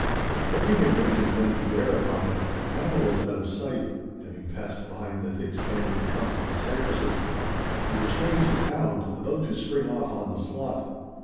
Before he can bring his gun to bear upon it, the animal is out of sight; having passed behind the thick standing trunks of the cypresses. He restrains his hound, about to spring off on the slot.